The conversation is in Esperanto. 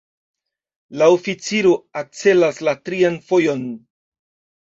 La oficiro ekcelas la trian fojon.